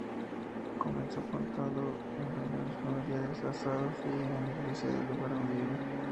Comenzó cantando en reuniones familiares, asados y en la iglesia del lugar donde vive.